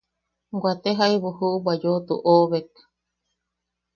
Waate jaibu juʼubwa yoʼotu oʼobek.